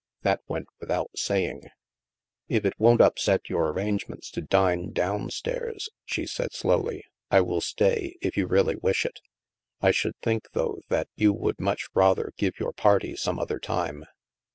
That went without saying! "If it won't upset your arrangements to dine down stairs," she said slowly, " I will stay, if you really wish it. I should think, though, that you would much rather give your party some other time."